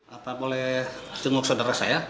apa boleh jenguk saudara saya